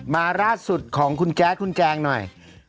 มาล่าสุดของคุณแก๊สคุณแจงหน่อย